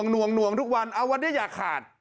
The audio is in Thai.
หนวงทุกวันวันนี้อยากขาด